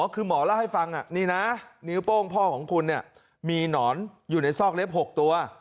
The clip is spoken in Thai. คือหมอเล่าให้ฟังนี่นะนิ้วโป้งพ่อของคุณมีหนอนอยู่ในซอกเล็บ๖ตัว